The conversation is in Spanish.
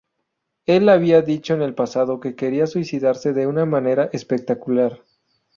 Él había dicho en el pasado que quería suicidarse de una manera espectacular.